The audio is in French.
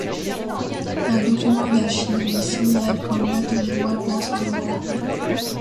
Un document d'archive le signale comme maître joueur d'instrument à Paris.